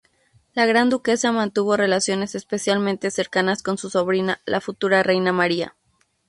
La Gran Duquesa mantuvo relaciones especialmente cercanas con su sobrina, la futura Reina María.